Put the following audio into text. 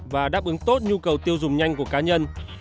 và đáp ứng tốt nhu cầu tiêu dùng nhanh của cá nhân